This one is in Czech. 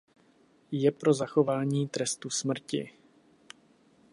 Je pro zachování trestu smrti.